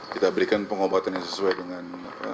kita berikan pengobatan yang sesuai dengan